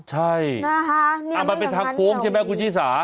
ใช่นะฮะเอามาเป็นทางโค้งใช่ไหมคุณชีสา